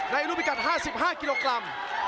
ในอุณหภิกัด๕๕กิโลกรัม